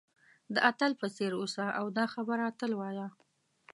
د اتل په څېر اوسه او دا خبره تل وایه.